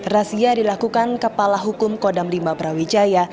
razia dilakukan kepala hukum kodam lima brawijaya